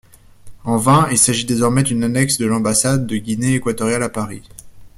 En vain, il s'agit désormais d'une annexe de l'ambassade de Guinée équatoriale à Paris.